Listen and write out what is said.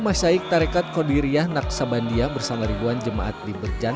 mursyid tarekat kodiriyah naksabandiyah bersama ribuan jemaat di berjan